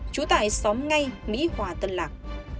trú tại xóm ngay mỹ hòa tân lạc